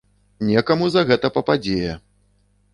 Некаму за гэта пападзе!